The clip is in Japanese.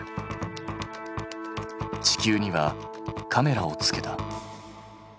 地球にはカメラを付けた。